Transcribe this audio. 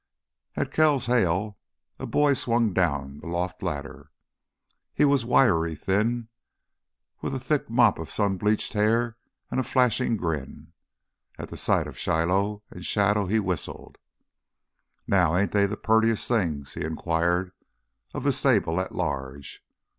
At Kells' hail a boy swung down the loft ladder. He was wiry thin, with a thick mop of sun bleached hair and a flashing grin. At the sight of Shiloh and Shadow he whistled. "Now ain't they th' purtiest things?" he inquired of the stable at large.